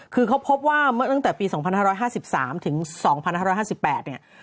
คือเขาพบว่าเมื่อตั้งแต่ปี๒๕๕๓ถึง๒๕๕๘เนี่ย